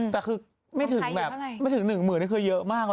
แต่คือไม่ถึง๑หมื่นไม่ถึงเยอะมาก